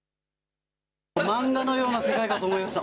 漫画のような世界かと思いました。